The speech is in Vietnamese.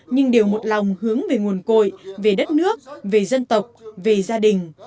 nhưng điều một lòng hướng về nguồn cội về đất nước về dân tộc về gia đình